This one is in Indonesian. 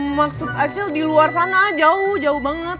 maksud acel di luar sana jauh jauh banget